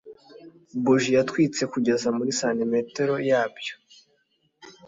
buji yatwitse kugeza muri santimetero yabyo